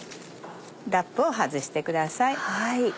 ラップを外してください。